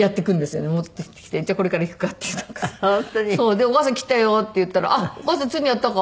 で「お母さん切ったよ」って言ったら「お母さんついにやったか」